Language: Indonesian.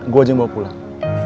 gue aja yang bawa pulang